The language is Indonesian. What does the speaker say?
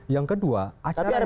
yang kedua acara yang dihelat